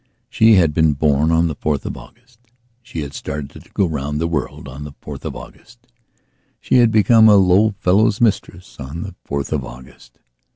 She had been born on the 4th of August; she had started to go round the world on the 4th of August; she had become a low fellow's mistress on the 4th of August.